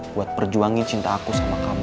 buat perjuangin cinta aku sama kamu